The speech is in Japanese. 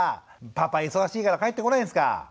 パパ忙しいから帰ってこないですか。